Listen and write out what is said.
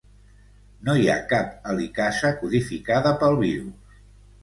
No hi ha cap helicasa codificada pel virus.